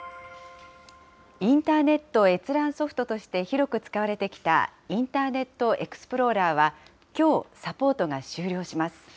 インターネット閲覧ソフトとして広く使われきたインターネットエクスプローラーは、きょう、サポートが終了します。